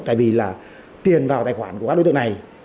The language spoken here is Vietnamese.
tại vì là tiền vào tài khoản của các đối tượng này